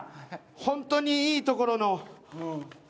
本当にいいところの。